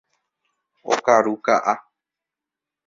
Okaru ka'a.